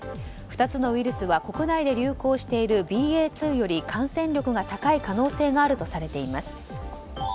２つのウイルスは国内で流行しているＢＡ．２より感染力が高い可能性があるとされています。